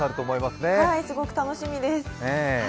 すごく楽しみです。